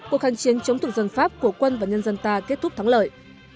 cuộc kháng chiến chống tục dân pháp của quân và nhân dân ta kết thúc thắng lợi